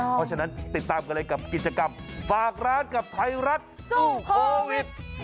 เพราะฉะนั้นติดตามกันเลยกับกิจกรรมฝากร้านกับไทยรัฐสู้โควิด